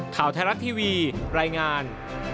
ข่าวไทยรัฐทีวีรายงาน